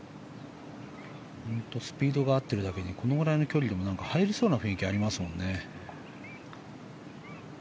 スピードが合ってるだけにこのぐらいの距離でも入りそうな雰囲気がありますもんね。